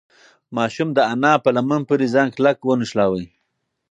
ماشوم د انا په لمن پورې ځان کلک ونښلاوه.